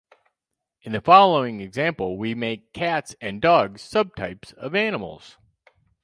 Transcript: In the following example we make cats and dogs subtypes of animals.